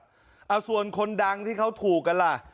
เอาส่วนคนดังที่เขาถูกกันล่ะ